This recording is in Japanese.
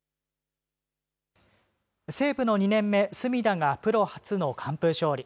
西武の２年目、隅田がプロ初の完封勝利。